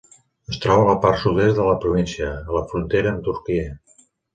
Es troba a la part sud-est de la província, a la frontera amb Turquia.